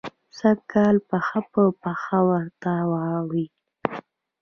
سل کاله پښه پر پښه ورته واړوي.